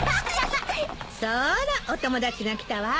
そーらお友達が来たわ。